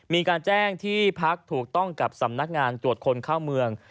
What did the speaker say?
มีการแจ้งที่พักถูกต้องกับสำนักงานตรวจคนเข้าเมือง